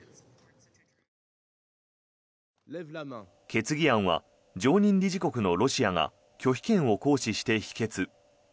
決議案は常任理事国のロシアが拒否権を行使して否決。